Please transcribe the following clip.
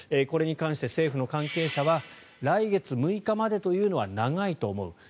これに関して政府の関係者は来月６日までというのは長いと思う。